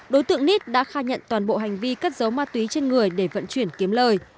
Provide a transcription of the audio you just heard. đối tượng nít đã khai nhận toàn bộ hành vi cất giấu ma túy trên người để vận chuyển kiếm lời